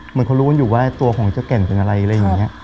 เหมือนเขารู้กันอยู่ว่าตัวของเจ้าแก่นเป็นอะไรอะไรอย่างนี้